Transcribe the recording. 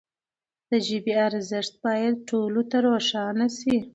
د ژبي ارزښت باید ټولو ته روښانه سي.